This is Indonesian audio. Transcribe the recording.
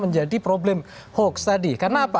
menjadi problem hoax tadi karena apa